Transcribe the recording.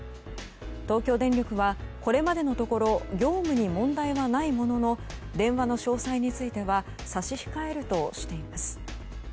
東京電力はこれまでのところ業務に問題ないものの電話の詳細については差し控えるとしています。